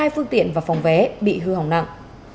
hai phương tiện và phòng vé bị hư hỏng nặng